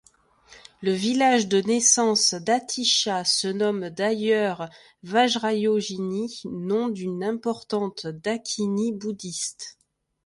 Le village de naissance d'Atisha se nomme d'ailleurs Vajrayogini, nom d'une importante dākinī bouddhiste.